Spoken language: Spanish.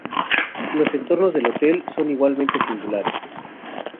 Los entornos del hotel son igualmente singulares.